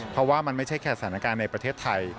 เพราะว่ามันไม่ใช่แค่สถานการณ์ในประเทศไทย